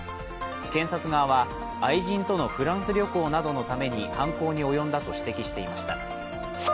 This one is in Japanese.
検察側は、愛人とのフランス旅行などのために犯行に及んだと指摘していました。